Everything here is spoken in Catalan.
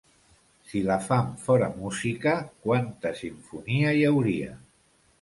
Si la fam fora música, quanta simfonia hi hauria!